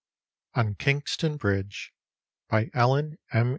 ON KINGSTON BRIDGE : ellbn m.